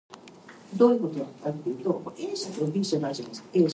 Planning for a new popular election subsequently began.